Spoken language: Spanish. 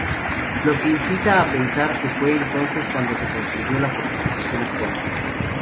Lo que incita a pensar que fue entonces cuando se construyó la fortificación actual.